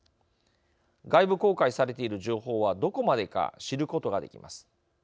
外部公開されている情報はどこまでか知ることができます。